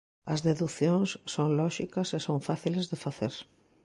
As deducións son lóxicas e son fáciles de facer.